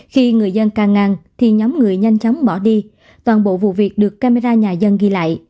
khi người dân ca ngăn thì nhóm người nhanh chóng bỏ đi toàn bộ vụ việc được camera nhà dân ghi lại